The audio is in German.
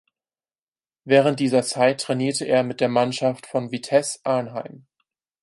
Während dieser Zeit trainierte er mit der Mannschaft von Vitesse Arnheim.